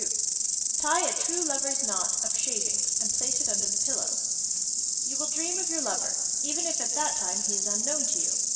Tie a true lover's knot (of shavings) and place it under the pillow. You will dream of your lover, even if at that time he is unknown to you.